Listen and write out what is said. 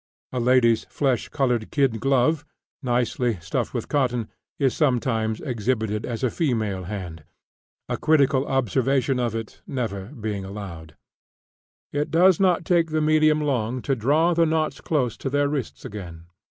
A lady's flesh colored kid glove, nicely stuffed with cotton, is sometimes exhibited as a female hand a critical observation of it never being allowed. It does not take the medium long to draw the knots close to their wrists again.